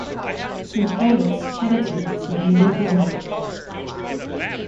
Saint Herbert's, Chadderton is named in his honour.